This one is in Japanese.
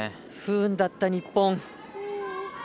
不運だった日本。